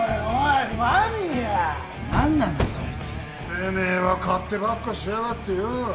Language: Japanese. てめえは勝手ばっかしやがってよ。